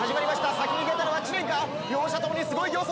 先に出たのは知念か両者ともすごい形相！